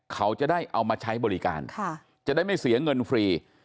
เขาจะได้เอามาใช้บริการจะได้ไม่เสียเงินฟรี